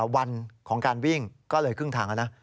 วันของการวิ่งก็เลยครึ่งทางแล้วนะ